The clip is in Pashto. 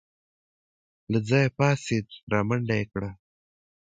له ځايه پاڅېد رامنډه يې کړه.